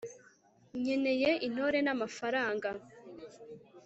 Nkeneye intore namafaranga